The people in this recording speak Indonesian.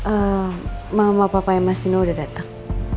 ehm mama papa dan mas nino udah datang